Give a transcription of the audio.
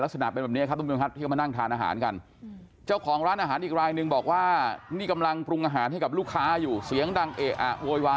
ลักษณะแบบนี้ครับทุกคนก็มานั่งทานอาหารกันเจ้าของร้านอาหารอีกลายนึงบอกว่านี่กำลังปรุงอาหารให้กับลูกค้าอยู่เสียงดังเอะ